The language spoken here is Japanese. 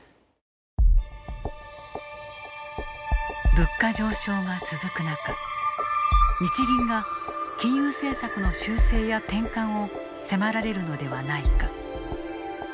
物価上昇が続く中日銀が金融政策の修正や転換を迫られるのではないか。